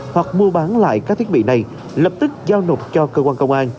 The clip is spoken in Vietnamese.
hoặc mua bán lại các thiết bị này lập tức giao nộp cho cơ quan công an